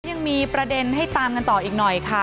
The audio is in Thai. ยังมีประเด็นให้ตามกันต่ออีกหน่อยค่ะ